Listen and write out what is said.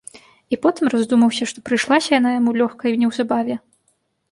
І потым раздумаўся, што прыйшлася яна яму лёгка й неўзабаве.